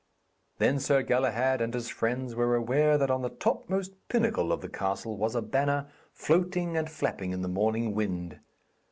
Then Sir Galahad and his friends were aware that on the topmost pinnacle of the castle was a banner, floating and flapping in the morning wind.